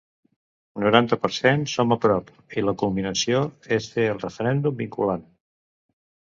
Noranta per cent Som a prop, i la culminació és fer el referèndum vinculant.